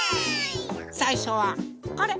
さいしょはこれ。